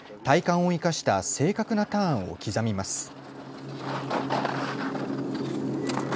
体幹を生かした正確なターンを刻みます。